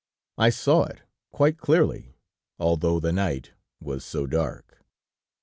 I saw it quite clearly, although the night was so dark.